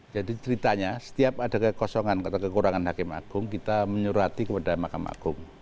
jadi ceritanya setiap ada kekosongan atau kekurangan hakem agung kita menyuruh hati kepada mahkamah agung